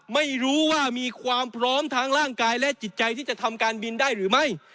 ไม่รู้ว่ามีความพร้อมทางร่างกายและจิตใจที่จะทำการบินได้หรือไม่